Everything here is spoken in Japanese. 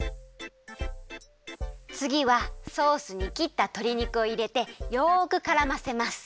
つぎはソースにきったとり肉をいれてよくからませます。